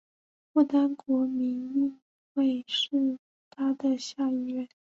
不丹国民议会是它的下议院。